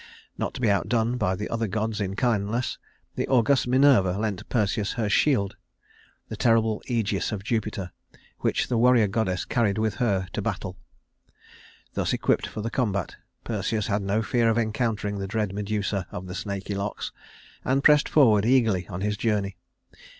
Not to be outdone by the other gods in kindness, the august Minerva lent Perseus her shield the terrible Ægis of Jupiter which the warrior goddess carried with her to battle. Thus equipped for the combat Perseus had no fear of encountering the dread Medusa of the snaky locks, and pressed forward eagerly on his journey.